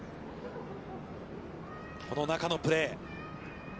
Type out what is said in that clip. この中のプレー。